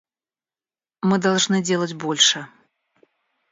Мы должны делать больше.